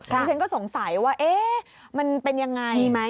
ฉันก็สงสัยว่ามันเป็นอย่างไร